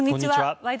「ワイド！